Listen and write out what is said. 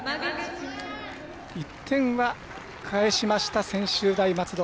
１点は返しました、専修大松戸。